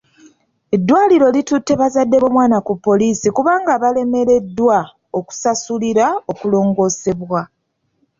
Eddwaliro litutte bazadde b'omwana ku poliisi kubanga baalemereddwa okusasulira okulongoosebwa.